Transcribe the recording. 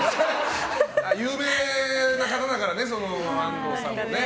有名な方だからね安藤さんもね。